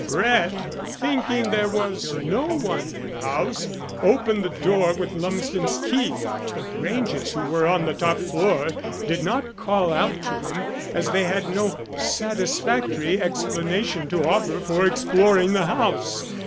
Brett, thinking there was no one in the house, opened the door with Lumsden's key. The Granges who were on the top floor did not call out to him, as they had no satisfactory explanation to offer for exploring the house.